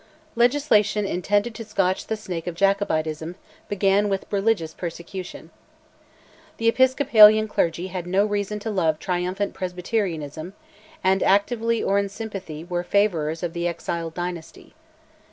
Legislation, intended to scotch the snake of Jacobitism, began with religious persecution. The Episcopalian clergy had no reason to love triumphant Presbyterianism, and actively, or in sympathy, were favourers of the exiled dynasty.